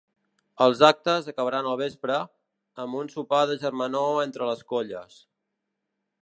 Els actes acabaran al vespre, amb un sopar de germanor entre les colles.